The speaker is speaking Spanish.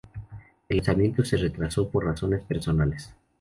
El lanzamiento se retrasó por razones personales.